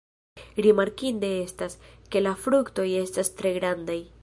Rimarkinde estas, ke la fruktoj estas tre grandaj.